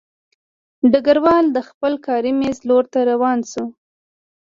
ډګروال د خپل کاري مېز لور ته روان شو